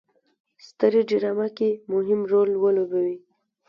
سترې ډرامه کې مهم رول ولوبوي.